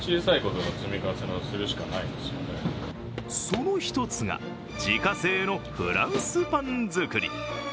その１つが、自家製のフランスパン作り。